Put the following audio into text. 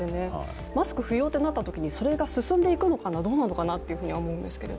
マスク不要となったときに、それが進んでいくのかな、どうなのかなと思うんですけど。